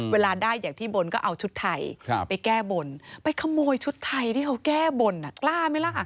เวลาได้อย่างที่บนก็เอาชุดไทยไปแก้บนไปขโมยชุดไทยที่เขาแก้บนกล้าไหมล่ะ